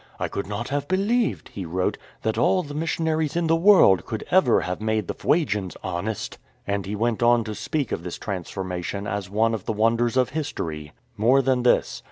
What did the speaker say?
"I could not have believed,"" he wrote, " that all the missionaries in the world could ever have made the Fuegians honest,'' and he went on to speak of this transformation as one of the wonders of history. More than this.